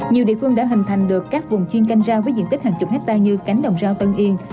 nhiều địa phương đã hình thành được các vùng chuyên canh rau với diện tích hàng chục hectare như cánh đồng rau tân yên